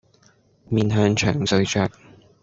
面向牆睡着